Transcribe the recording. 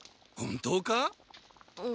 本当か？